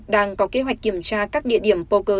đang có kế hoạch kiểm tra các địa điểm poker